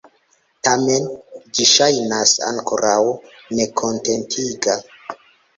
Tamen, ĝi ŝajnas ankoraŭ nekontentiga.